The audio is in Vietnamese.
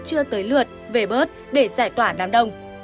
chưa tới lượt về bớt để giải tỏa nắng đông